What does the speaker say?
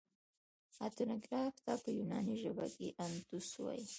اتنوګراف ته په یوناني ژبه کښي انتوس وايي.